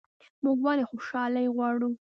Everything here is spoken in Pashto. موږ ولې خوشحالي غواړو؟